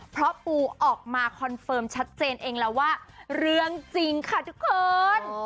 เพราะปูออกมาคอนเฟิร์มชัดเจนเองแล้วว่าเรื่องจริงค่ะทุกคน